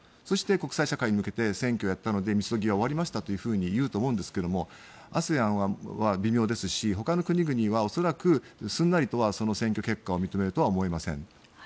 そして、国際社会に向けて選挙をやったのでみそぎは終わりましたと言うと思うんですがＡＳＥＡＮは微妙ですしほかの国々は恐らくすんなりとはその選挙結果を認めるとは思えません。